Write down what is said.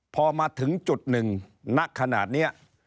พอมาถึงจุดหนึ่งณขนาดนี้